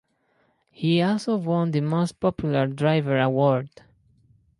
He also won the Most Popular Driver award.